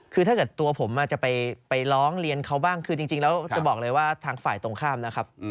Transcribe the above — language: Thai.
คือถ้าเกิดตัวผมจะไปร้องเรียนเขาบ้างคือจริงแล้วจะบอกเลยว่าทางฝ่ายตรงข้ามนะครับ